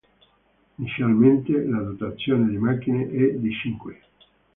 Inizialmente la dotazione di macchine è di cinque.